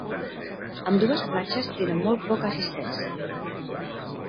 Ambdues platges tenen molt poca assistència.